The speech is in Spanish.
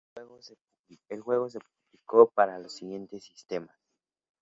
El juego se publicó para los siguientes sistemas